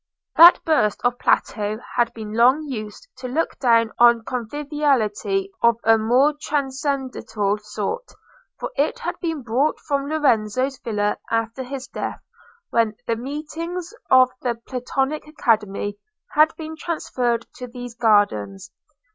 That bust of Plato had been long used to look down on conviviality of a more transcendental sort, for it had been brought from Lorenzo's villa after his death, when the meetings of the Platonic Academy had been transferred to these gardens.